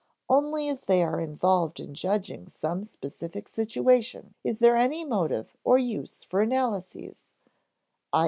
Only as they are involved in judging some specific situation is there any motive or use for analyses, _i.